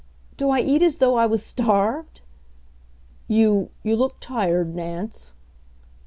"Do I eat as though I was starved?" "You you look tired, Nance."